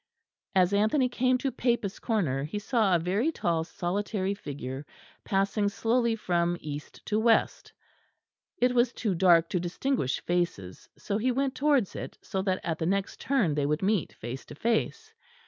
As Anthony came to Papists' Corner he saw a very tall solitary figure passing slowly from east to west; it was too dark to distinguish faces; so he went towards it, so that at the next turn they would meet face to face.